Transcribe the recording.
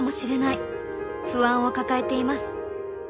不安を抱えています。